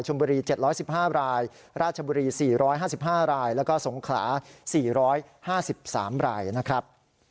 บุรี๗๑๕รายราชบุรี๔๕๕รายแล้วก็สงขลา๔๕๓รายนะครับ